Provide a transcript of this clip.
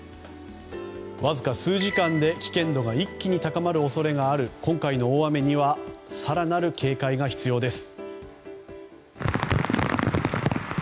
わずか数時間で危険度が一気に高まる恐れがある今回の大雨には更なる警戒が必要です。